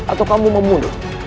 atau kamu mau mundur